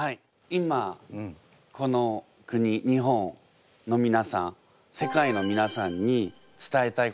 いまこの国日本のみなさん世界のみなさんに伝えたい